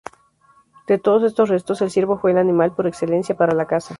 De todos estos restos, el ciervo fue el animal por excelencia para la caza.